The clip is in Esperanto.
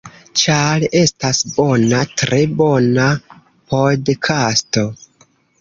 Ĉar estas bona, tre bona podkasto.